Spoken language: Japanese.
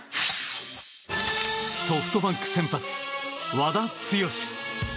ソフトバンク先発、和田毅。